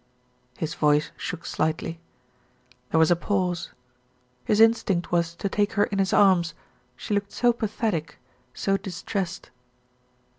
His voice shook slightly. There was a pause. His instinct was to take her in his arms, she looked so pathetic, so distressed.